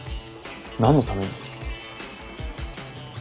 何のために？